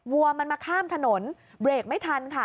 วัวมันมาข้ามถนนเบรกไม่ทันค่ะ